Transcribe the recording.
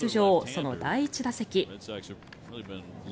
その第１打席。